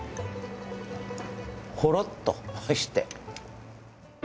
ほろっとして。